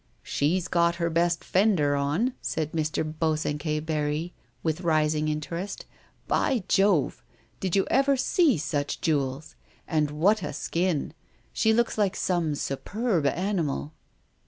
" She's got her best ' fender ' on," said Mr. Bosanquet Barry, with rising interest; "by Jove, did you ever see such jewels ? And what a skin ! She looks like some superb animal."